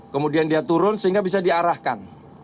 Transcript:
kemudian dia turun sehingga bisa diarahkan